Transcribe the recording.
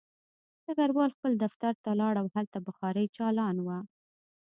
ډګروال خپل دفتر ته لاړ او هلته بخاري چالان وه